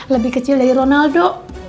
lebih kecil dari ronaldo